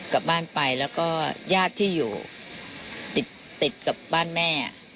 กลับบ้านไปแล้วก็ญาติที่อยู่ติดกับบ้านแม่